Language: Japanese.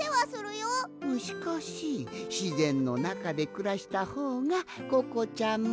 しかししぜんのなかでくらしたほうがココちゃんも。